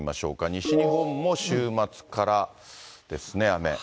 西日本も週末からですね、雨。